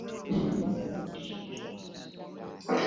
Waweza kunipata kwa ukweli?